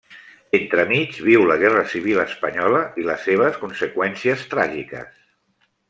Entremig viu la Guerra Civil Espanyola i les seves conseqüències tràgiques.